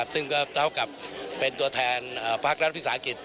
ซึ่งก็เท่ากับเป็นตัวแทนพระธุรกิจ